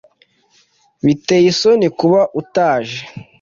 Biteye isoni kuba utaje